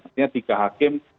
maksudnya tiga hakim